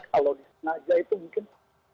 kalau disengaja itu mungkin